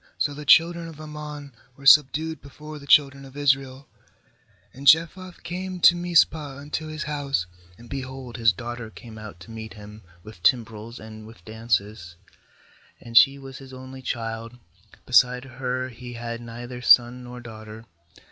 So the children of Ammon were subdued before the children of Israel. 34And Jephthah came to Mizpah unto his house, and, behold, his daughter came out to meet him with timbrels and with dances; and she was his only child* beside her he had neither son nor daughter.